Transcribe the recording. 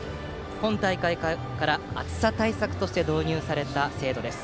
今大会から暑さ対策として導入された制度です。